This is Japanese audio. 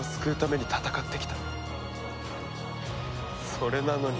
それなのに。